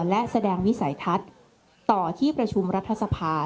และแสดงวิสัยทัศน์ต่อที่ประชุมรัฐสภา